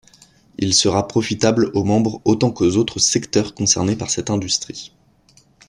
Il sera profitable aux membres autant qu’aux autres secteurs concernés par cette industrie.